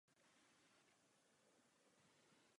Stavbě se snažili zabránit.